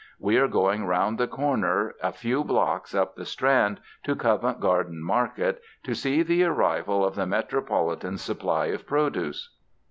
We are going round the corner a few blocks up the Strand, to Covent Garden Market, to see the arrival of the metropolitan supply of produce.